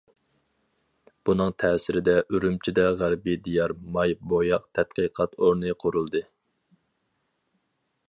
بۇنىڭ تەسىرىدە ئۈرۈمچىدە غەربىي دىيار ماي بوياق تەتقىقات ئورنى قۇرۇلدى.